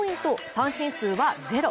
三振数はゼロ。